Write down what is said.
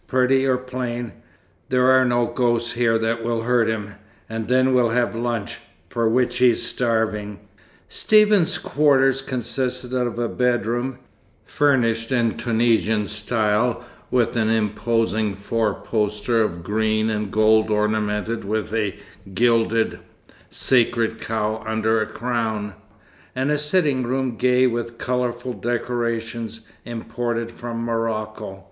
Pretty or plain, there are no ghosts here that will hurt him. And then we'll have lunch, for which he's starving." Stephen's quarters consisted of a bedroom (furnished in Tunisian style, with an imposing four poster of green and gold ornamented with a gilded, sacred cow under a crown) and a sitting room gay with colourful decorations imported from Morocco.